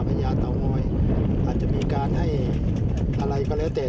ญาเตางอยอาจจะมีการให้อะไรก็แล้วแต่